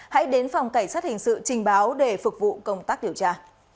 hãy đến phòng cảnh sát hình sự trình báo để phục vụ công tác điều tra